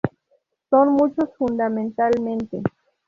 Son muchos fundamentalmente.